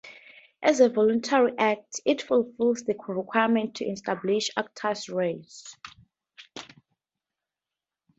As a voluntary act, it fulfills the requirements to establish "actus reus".